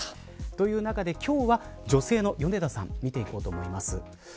という中で今日は女性の米田さん見ていこうと思います。